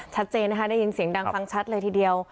ชัดเจนนะคะได้ยินเสียงดังฟังชัดเลยทีเดียว